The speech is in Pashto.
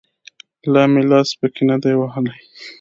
لا مې لاس پکښې نه دى وهلى.